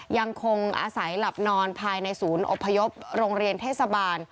ยังคงอาศัยหลับนอนภายในศูนย์อบพยพโรงเรียนเทศบาล